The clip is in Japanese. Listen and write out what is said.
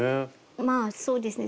まあそうですね。